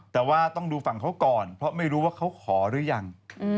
แต่ว่าต้องดูฝั่งเขาก่อนเพราะไม่รู้ว่าเขาขอหรือยัง